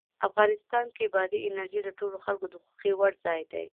افغانستان کې بادي انرژي د ټولو خلکو د خوښې وړ ځای دی.